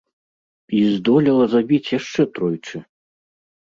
І здолела забіць яшчэ тройчы!